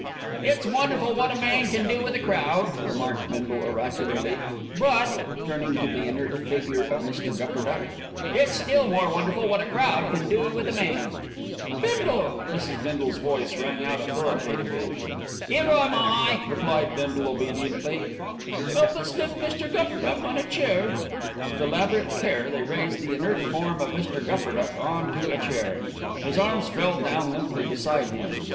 "It's wonderful wot a man can do with a crowd," remarked Bindle oracularly; "but," turning to the inert figure of Mr. Gupperduck, "it's still more wonderful wot a crowd can do with a man." "Bindle!" Mrs. Bindle's voice rang out authoritatively. "'Ere am I," replied Bindle obediently. "Help us lift Mr. Gupperduck on a chair." With elaborate care they raised the inert form of Mr. Gupperduck on to a chair. His arms fell down limply beside him.